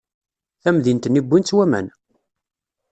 Tamdint-nni wwin-tt waman!